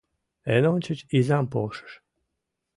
— Эн ончыч изам полшыш.